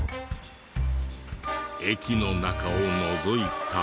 駅の中をのぞいたり。